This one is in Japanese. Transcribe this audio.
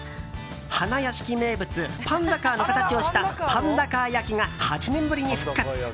花やしき名物パンダカーの形をしたパンダカー焼きが８年ぶりに復活。